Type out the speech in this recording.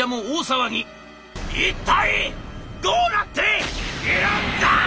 「一体どうなっているんだ！」。